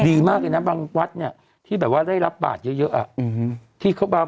ดีมากเลยนะบางวัดที่ได้รับบาตเยอะ